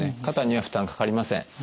肩には負担かかりません。